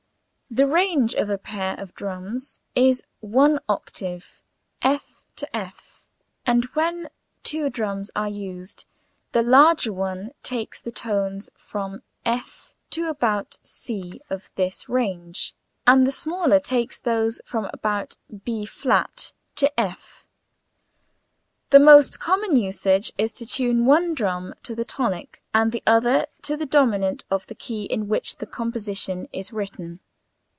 The range of a pair of drums is one octave [Illustration: F f] and when but two drums are used the larger one takes the tones from F to about C of this range, and the smaller takes those from about B[flat] to F. The most common usage is to tune one drum to the tonic, and the other to the dominant of the key in which the composition is written.